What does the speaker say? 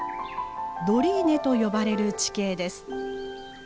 ドリーネと呼ばれる地形です。